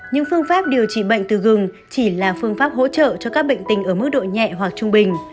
những phương pháp điều trị bệnh từ gừng chỉ là phương pháp hỗ trợ cho các bệnh tình ở mức độ nhẹ hoặc trung bình